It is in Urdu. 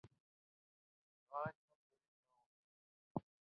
کاش ہم غریب نہ ہوتے